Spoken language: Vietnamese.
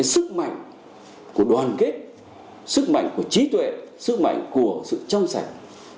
sức mạnh của đoàn kết sức mạnh của trí tuệ sức mạnh của sự trong sạch